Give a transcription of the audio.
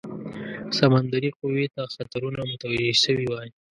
سمندري قوې ته خطرونه متوجه سوي وای.